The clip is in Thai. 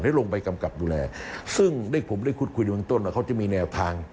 ลงไปกำกับดูแลซึ่งได้ผมได้คุดคุยในเบื้องต้นว่าเขาจะมีแนวทาง